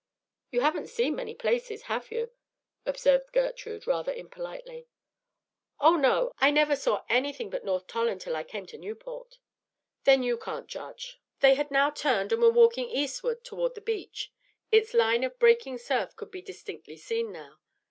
"You haven't seen many places, have you?" observed Gertrude, rather impolitely. "Oh no, I never saw anything but North Tolland till I came to Newport." "Then you can't judge." They had now turned, and were walking eastward toward the beach. Its line of breaking surf could be distinctly seen now.